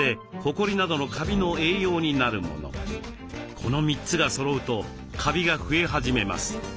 この３つがそろうとカビが増え始めます。